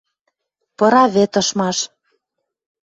Пыра вӹд ышмаш.